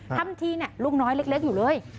ทำทีลูกน้อยเล็กอยู่เลย